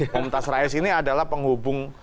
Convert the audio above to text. momtaz rais ini adalah penghubung